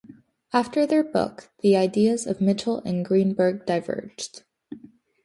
After their book, the ideas of Mitchell and Greenberg diverged.